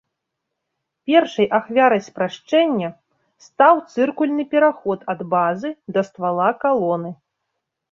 Першай ахвярай спрашчэння стаў цыркульны пераход ад базы да ствала калоны.